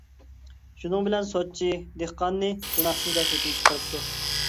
شۇنىڭ بىلەن سوتچى دېھقاننى گۇناھسىز دەپ ھۆكۈم چىقىرىپتۇ.